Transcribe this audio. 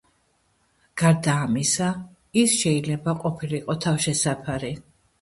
გარდა ამისა, ის შეიძლება ყოფილიყო თავშესაფარი.